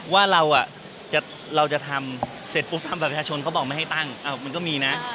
ว่าเราอ่ะเราจะทำเสร็จปุ๊บทำแบบประชาชนก็บอกไม่ให้ตั้งอ้าวมันก็มีนะ